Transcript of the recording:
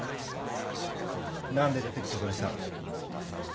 何で出てくことにしたの？